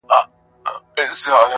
واه زرګر چناره دسروزرو منګوټي راغله,